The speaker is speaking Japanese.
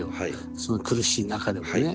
その苦しい中でもね。